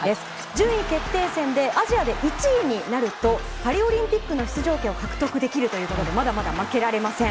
順位決定戦でアジアで１位になるとパリオリンピックの出場権を獲得できるということでまだまだ負けられません。